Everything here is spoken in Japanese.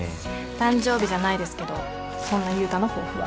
誕生日じゃないですけどそんな悠太の抱負は？